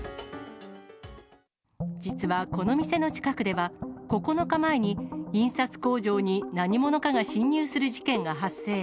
実はこの店の近くでは、９日前に印刷工場に何者かが侵入する事件が発生。